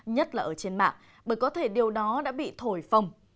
nhất là ở trên mạng bởi có thể điều đó đã bị thổi phồng